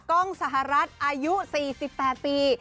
กล้องสหรัฐอายุ๔๘ปี